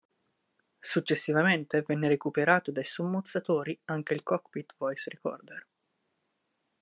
Successivamente venne recuperato dai sommozzatori anche il Cockpit Voice Recorder.